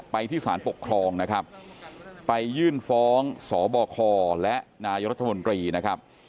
ไปที่สารปกครองนะครับไปยื่นฟ้องสบคและนรนะครับ